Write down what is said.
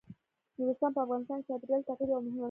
نورستان په افغانستان کې د چاپېریال د تغیر یوه مهمه نښه ده.